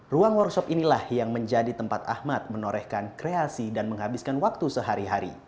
ruang workshop inilah yang menjadi tempat ahmad menorehkan kreasi dan menghabiskan waktu sehari hari